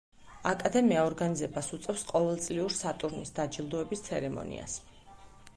აკადემია ორგანიზებას უწევს ყოველ წლიურ სატურნის დაჯილდოების ცერემონიას.